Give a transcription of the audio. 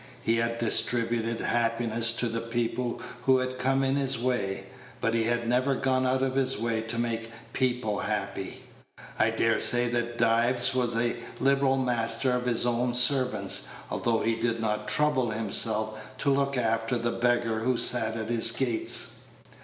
He had distributed happiness to the people who had come in his way, but he had never gone out of his way to make people happy. I dare say that Dives was a liberal master to his own servants, although he did not trouble himself to look after the beggar who sat at his gates.